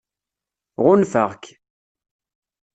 Ɣunfaɣ-k.